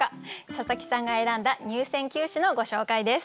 佐佐木さんが選んだ入選九首のご紹介です。